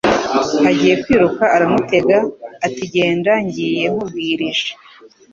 Agiye kwiruka aramutega ati: genda ngiye nkubwirije